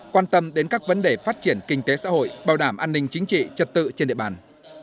quan tâm đến các vấn đề phát triển kinh tế xã hội bảo đảm an ninh chính trị trật tự trên địa bàn